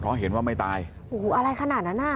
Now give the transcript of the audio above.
เพราะเห็นว่าไม่ตายโอ้โหอะไรขนาดนั้นอ่ะ